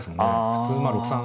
普通まあ６三。